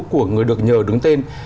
của người được nhờ đứng tên